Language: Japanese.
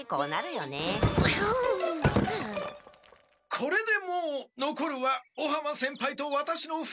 これでもうのこるは尾浜先輩とワタシの２人です！